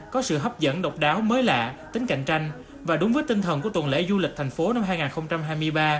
có sự hấp dẫn độc đáo mới lạ tính cạnh tranh và đúng với tinh thần của tuần lễ du lịch thành phố năm hai nghìn hai mươi ba